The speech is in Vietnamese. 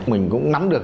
mình cũng nắm được